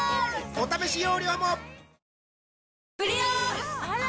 お試し容量もあら！